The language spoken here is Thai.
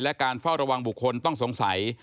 และการเฝ้าระวังบุคคลต้องสงสัย